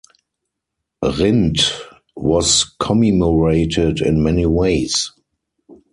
Rindt was commemorated in many ways.